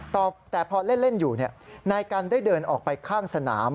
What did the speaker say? แต่พอเล่นอยู่นายกันได้เดินออกไปข้างสนาม